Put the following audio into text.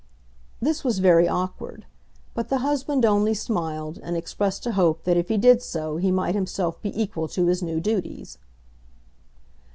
This was very awkward; but the husband only smiled, and expressed a hope that if he did so he might himself be equal to his new duties.